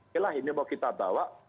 inilah ini mau kita bawa